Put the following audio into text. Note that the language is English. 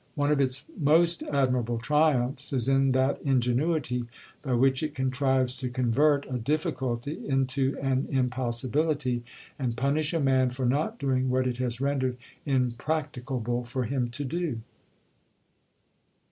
One of its most admirable triumphs is in that ingenuity by which it contrives to convert a difficulty into an impossibility, and punish a man for not doing what it has rendered impracticable for him to do.